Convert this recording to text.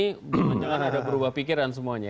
jangan jangan ada berubah pikiran semuanya